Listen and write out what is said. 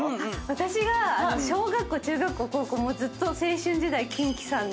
私が小学校中学校高校ずっと青春時代キンキさんの。